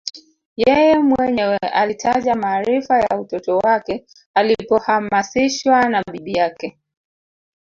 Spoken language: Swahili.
Yeye mwenyewe alitaja maarifa ya utoto wake alipohamasishwa na bibi yake